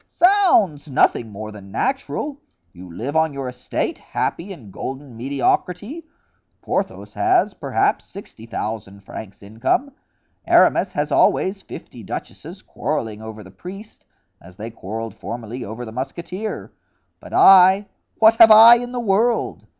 "Zounds! nothing more than natural. You live on your estate, happy in golden mediocrity. Porthos has, perhaps, sixty thousand francs income. Aramis has always fifty duchesses quarreling over the priest, as they quarreled formerly over the musketeer; but I—what have I in the world?